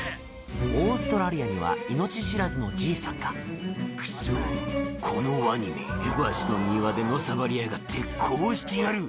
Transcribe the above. オーストラリアには命知らずのじいさんが「クソこのワニめわしの庭でのさばりやがってこうしてやる」